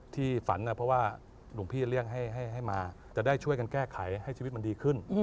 ฝันเพราะว่าหลวงพี่เลี่ยงให้มาจะได้ช่วยกันแก้ไขให้ชีวิตมันดีขึ้น